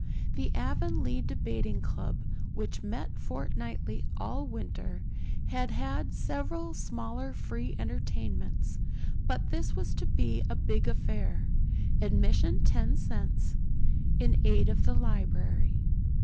The Avonlea Debating Club, which met fortnightly all winter, had had several smaller free entertainments; but this was to be a big affair, admission ten cents, in aid of the library.